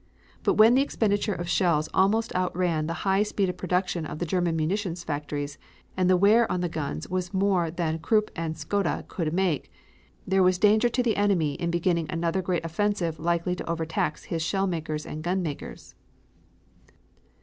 But when the expenditure of shells almost outran the highest speed of production of the German munition factories, and the wear on the guns was more than Krupp and Skoda could make good, there was danger to the enemy in beginning another great offensive likely to overtax his shellmakers and gunmakers."